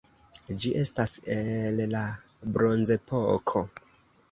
Ĝi estas el la bronzepoko.